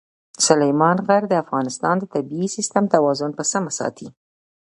سلیمان غر د افغانستان د طبعي سیسټم توازن په سمه ساتي.